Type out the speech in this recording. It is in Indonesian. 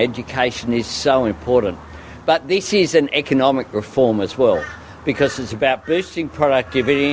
tapi ini juga reformasi ekonomi karena ini tentang memperkuat produktivitas